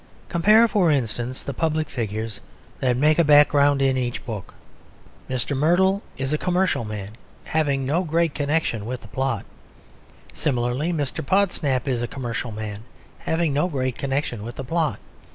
Compare, for instance, the public figures that make a background in each book. Mr. Merdle is a commercial man having no great connection with the plot; similarly Mr. Podsnap is a commercial man having no great connection with the plot.